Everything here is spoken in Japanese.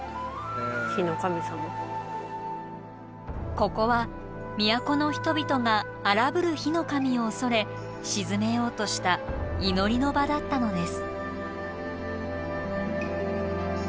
ここは都の人々が荒ぶる火の神をおそれ鎮めようとした祈りの場だったのです。